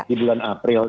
di bulan april